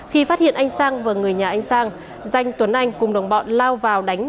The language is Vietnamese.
khi phát hiện anh sang và người nhà anh sang danh tuấn anh cùng đồng bọn lao vào đánh